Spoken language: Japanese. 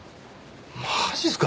マジっすか？